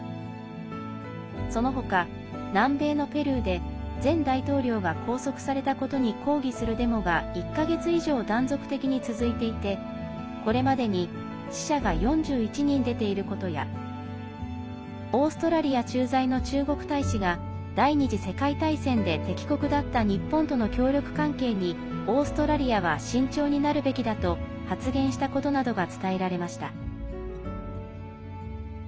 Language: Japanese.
その他、南米のペルーで前大統領が拘束されたことに抗議するデモが１か月以上、断続的に続いていてこれまでに死者が４１人出ていることやオーストラリア駐在の中国大使が第２次世界大戦で敵国だった日本との協力関係にオーストラリアは慎重になるべきだと発言したことなどが伝えられました。